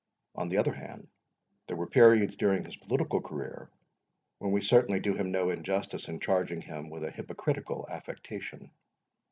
On the other hand, there were periods during his political career, when we certainly do him no injustice in charging him with a hypocritical affectation.